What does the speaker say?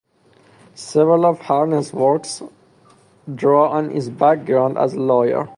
Several of Harness' works draw on his background as a lawyer.